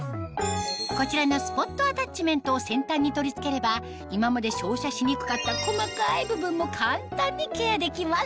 こちらのスポットアタッチメントを先端に取り付ければ今まで照射しにくかった細かい部分も簡単にケアできます